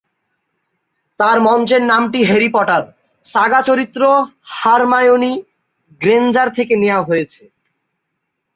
তার মঞ্চের নামটি "হ্যারি পটার" সাগা চরিত্র হারমায়োনি গ্রেঞ্জার থেকে নেয়া হয়েছে।